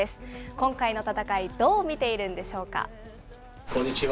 今回の戦い、どう見ているんでしこんにちは。